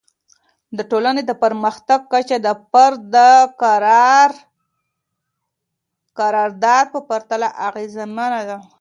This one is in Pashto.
د ټولنې د پرمختګ کچه د فرد د کردار په پرتله اعظمي ده.